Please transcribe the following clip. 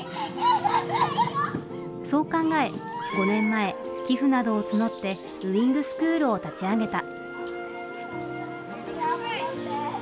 そう考え５年前寄付などを募ってウイングスクールを立ち上げた。